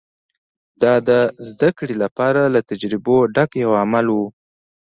دا د زدهکړې لپاره له تجربو ډک یو عمل و